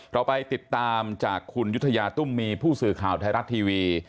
เราไปติดตามจากคุณยุธยาตุ้มมีผู้สื่อข่าวไทยรัฐทีวี